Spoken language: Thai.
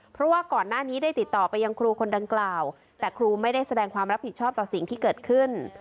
เพราะว่าก่อนหน้านี้ได้ติดต่อไปยังครูคนดังกล่าวแต่ครูไม่ได้แสดงความรับผิดชอบต่อสิ่งที่เกิดขึ้น